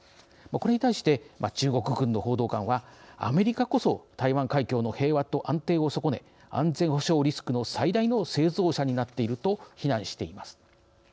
これに対して中国軍の報道官はアメリカこそ台湾海峡の平和と安定を損ね安全保障リスクの最大の製造者になっていると非難しています。